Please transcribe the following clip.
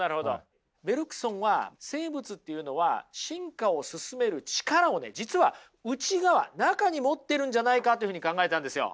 ベルクソンは生物というのは進化を進める力を実は内側中に持ってるんじゃないかというふうに考えたんですよ。